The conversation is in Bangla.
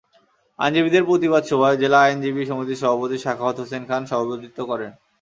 আইনজীবীদের প্রতিবাদ সভায় জেলা আইনজীবী সমিতির সভাপতি সাখাওয়াত হোসেন খান সভাপতিত্ব করেন।